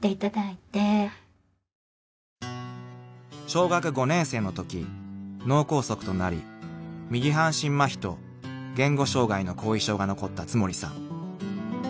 ［小学５年生のとき脳梗塞となり右半身まひと言語障害の後遺症が残った津森さん］